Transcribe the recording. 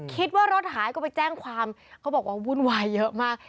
คิดว่ารถหายก็ไปแจ้งความวุ่นไหวเยอะมาก